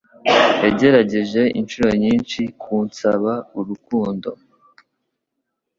Yagerageje inshuro nyinshi kutsaba urukundo.